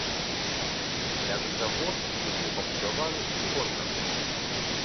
Шкляны завод ужо пабудаваны і скончаны.